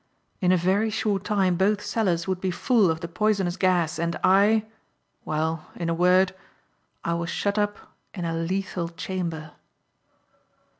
In a very short time both cellars would be full of the poisonous gas, and I well, in a word, I was shut up in a lethal chamber.